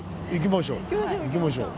行きましょう。